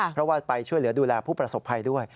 เพราะว่าไปช่วยเหลือดูแลผู้ประสบภัยด้วย